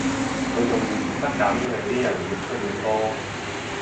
佢仲越捉得緊令啲人越出越多